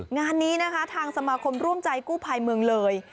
งานนี้นะคะทางสมาคมร่วมใจกู้ภัยเมืองเลย